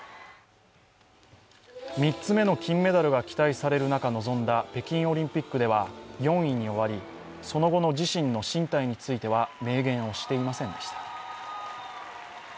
３つ目の金メダルが期待される中で臨んだ北京オリンピックでは４位に終わりその後の自身の進退については明言をしていませんでした。